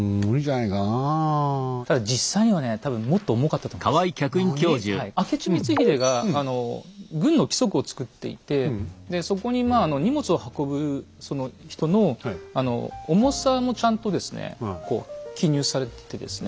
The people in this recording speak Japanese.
なに⁉明智光秀が軍の規則を作っていてそこに荷物を運ぶ人の重さもちゃんとですね記入されててですね